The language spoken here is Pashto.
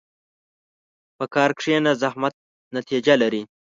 په کار کښېنه، زحمت نتیجه لري.